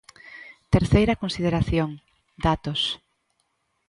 Terceira consideración: datos.